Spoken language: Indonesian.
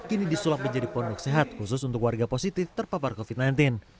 kini disulap menjadi pondok sehat khusus untuk warga positif terpapar covid sembilan belas